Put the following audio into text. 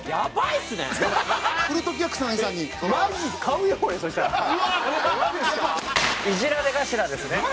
イジられ頭ですね。